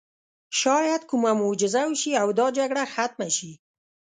شاید کومه معجزه وشي او دا جګړه ختمه شي